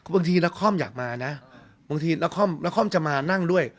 บางทีนครอยากมานะบางทีนครจะมานั่งด้วย